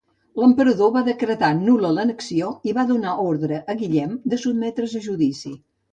L'emperador va decretar nul·la l'annexió i va donar ordre a Guillem de sotmetre's a judici.